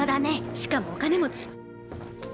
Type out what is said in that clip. しかもお金持ち。